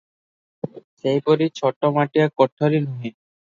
ସେହିପରି ଛୋଟମୋଟିଆ କୋଠରୀ ନୁହେଁ ।